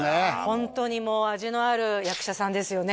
ホントにもう味のある役者さんですよね